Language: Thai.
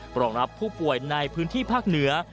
รองรับผู้ป่วยในพื้นที่ภาคเหนือ